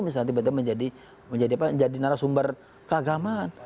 misalnya tiba tiba menjadi narasumber keagamaan